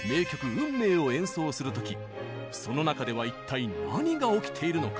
「運命」を演奏する時その中では一体何が起きているのか。